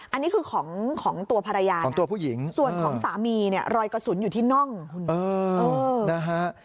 อันนี้คือของของตัวภรรยาของตัวผู้หญิงส่วนของสามีเนี่ยรอยกระสุนอยู่ที่น่องคุณนะฮะ